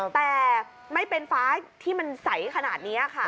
แต่ไม่เป็นฟ้าที่มันใสขนาดนี้ค่ะ